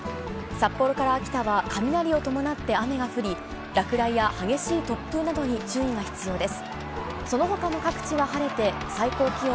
札幌から秋田は雷を伴って雨が降り、落雷や激しい突風などに注意が必要です。